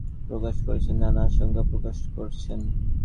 অনেকেই টিকফা নিয়ে নানা সংশয় প্রকাশ করছেন, নানা আশঙ্কা প্রকাশ করছেন।